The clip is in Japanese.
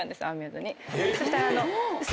そしたら。